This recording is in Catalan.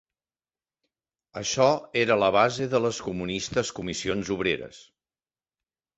Això era la base de les comunistes Comissions Obreres.